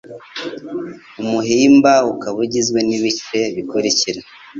umuhimba ukaba ugizwe n'ibice bikurikira: